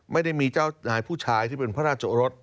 ไม่ได้มีเจ้านายผู้ชายที่เป็นพระราชรส